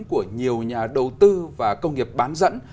của nhiều nhà đầu tư và công nghiệp bán dẫn